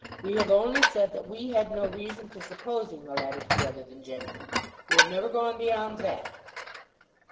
We have only said that we had no reason for supposing the letter to be other than genuine. We have never gone beyond that."